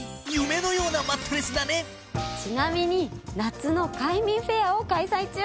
まさにちなみに夏の快眠フェアを開催中！